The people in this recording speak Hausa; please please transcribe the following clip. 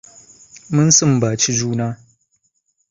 Mun sumbaci juna.